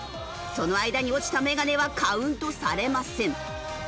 その間に落ちたメガネはカウントされません。